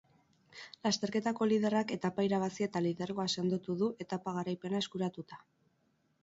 Lasterketako liderrak etapa irabazi eta lidergoa sendotu du etapa garaipena eskuratuta.